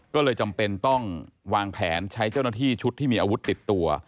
ก็เลยจำเป็นต้องวางแผนใช้เจ้าหน้าที่ชุดที่มีอาวุธติดตัว